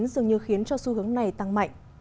dường như khiến cho xu hướng này tăng mạnh